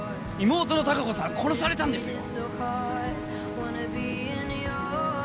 妹の隆子さんは殺されたんですよ